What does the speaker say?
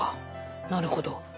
なるほど。